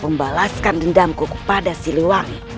membalaskan dendamku kepada si luwangi